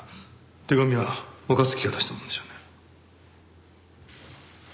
手紙は若月が出したものでしょうね。